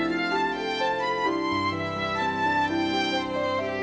lakukan kekuatan yang indah